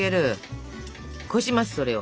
こしますそれを。